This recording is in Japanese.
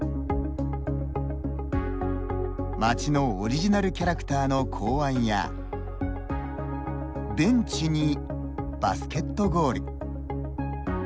町のオリジナルキャラクターの考案やベンチに、バスケットゴール。